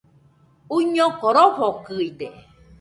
Uiñoko rofokɨide